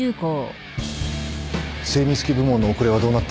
精密機部門の遅れはどうなってる？